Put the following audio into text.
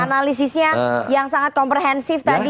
analisisnya yang sangat komprehensif tadi